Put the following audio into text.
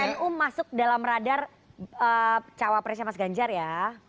berarti tokoh nu masuk ke dalam radar bacawapresnya mas ganjar ya